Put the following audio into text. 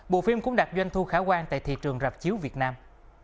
bộ phim cũng đạt doanh thu khả quan tại thị trường rạp chiếu việt nam